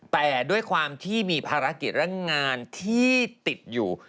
แต่ด้วยความที่มีภารกิจและงานที่ติดอยู่